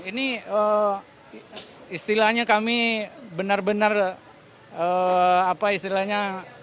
ini istilahnya kami benar benar apa istilahnya